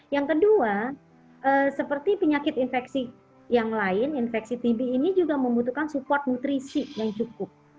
yang kedua seperti penyakit infeksi yang lain infeksi tb ini juga membutuhkan support nutrisi yang cukup